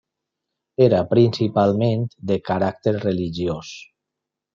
Era principalment de caràcter religiós.